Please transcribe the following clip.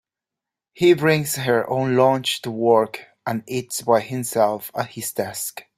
He brings her own lunch to work, and eats by himself at his desk.